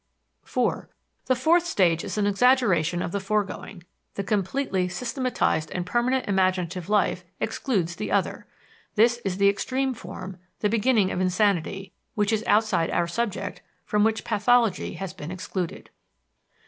(4) The fourth stage is an exaggeration of the foregoing. The completely systematized and permanent imaginative life excludes the other. This is the extreme form, the beginning of insanity, which is outside our subject, from which pathology has been excluded.